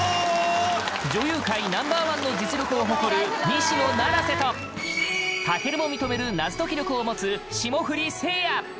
女優界ナンバーワンの実力を誇る西野七瀬と健も認める謎解き力を持つ霜降り・せいや！